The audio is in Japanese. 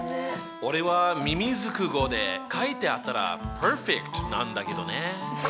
俺はみみずく語で書いてあったらＰｅｒｆｅｃｔなんだけどね！